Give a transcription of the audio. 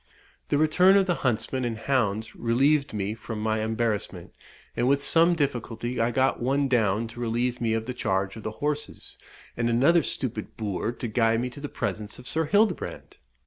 The return of the huntsmen and hounds relieved me from my embarrassment, and with some difficulty I got one down to relieve me of the charge of the horses, and another stupid boor to guide me to the presence of Sir Hildebrand.